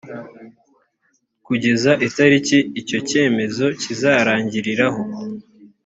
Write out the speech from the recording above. kugeza itariki icyo cyemezo kizarangiriraho